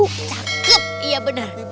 cakep iya benar